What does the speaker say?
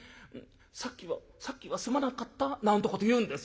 『さっきはさっきはすまなかった』なんてこと言うんですよ。